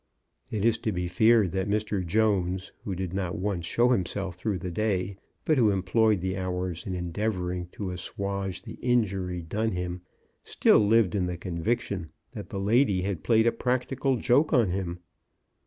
It is to be feared that Mr. Jones, who did not once show himself through the day, but who employed the hours in endeavoring to assuage MRS. BROWN DOES ESCAPE. 6 1 the injury done him, still lived in the conviction that the lady had played a practical joke on him.